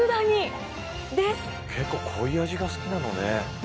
結構こういう味が好きなのね。